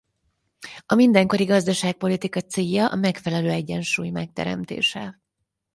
A mindenkori gazdaságpolitika célja a megfelelő egyensúly megteremtése.